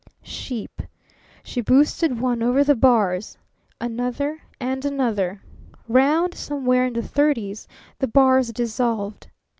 Sheep. She boosted one over the bars, another and another. Round somewhere in the thirties the bars dissolved.